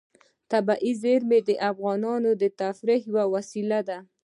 طبیعي زیرمې د افغانانو د تفریح یوه وسیله ده.